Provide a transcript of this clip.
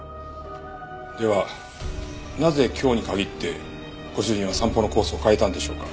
ではなぜ今日に限ってご主人は散歩のコースを変えたんでしょうか？